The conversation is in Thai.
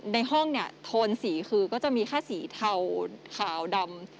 ในห้องเนี่ยโทนสีคือก็จะมีแค่สีเทาขาวดำ